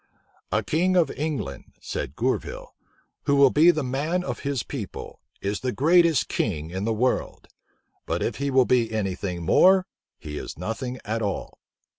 "A king of England," said Gourville, "who will be the man of his people, is the greatest king in the world; but if he will be any thing more, he is nothing at all."